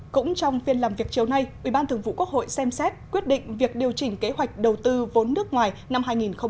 cũng trong phiên làm việc chiều nay ủy ban thường vụ quốc hội xem xét quyết định việc điều chỉnh kế hoạch đầu tư vốn nước ngoài năm hai nghìn hai mươi